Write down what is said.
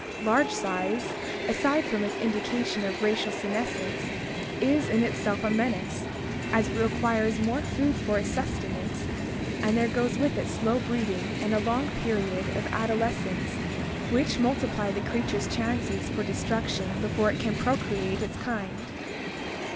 Large size, aside from its indi cation of racial senescence, is in itself a menace, as it requires more food for its sustenance and there goes with it slow breeding and a long period of adolescence which multiply the creature's chances for destruction before it can procreate its kind.